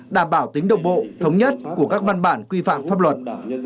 đảm bảo tính đồng bộ thống nhất của các văn bản quy phạm pháp luật